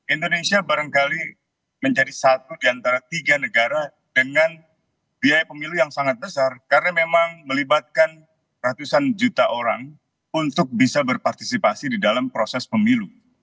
indonesia barangkali menjadi satu di antara tiga negara dengan biaya pemilu yang sangat besar karena memang melibatkan ratusan juta orang untuk bisa berpartisipasi di dalam proses pemilu